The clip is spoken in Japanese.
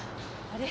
あれ？